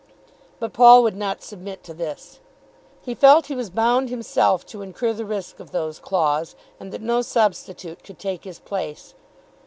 But Paul would not submit to this. He felt that he was bound himself to incur the risk of those claws, and that no substitute could take his place.